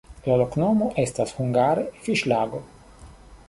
La loknomo estas hungare: fiŝlago.